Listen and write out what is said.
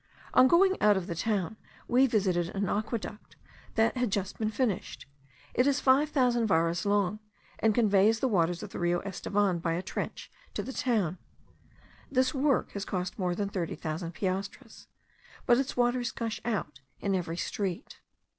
On going out of the town we visited an aqueduct that had been just finished. It is five thousand varas long, and conveys the waters of the Rio Estevan by a trench to the town. This work has cost more than thirty thousand piastres; but its waters gush out in every street.